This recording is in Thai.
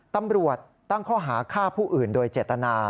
ตำรวจตั้งข้อหาฆ่าผู้อื่นโดยเจตนา